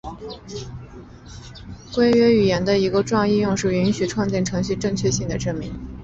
规约语言的一个重要应用是允许创建程序正确性的证明。